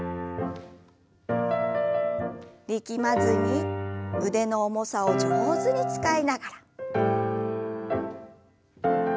力まずに腕の重さを上手に使いながら。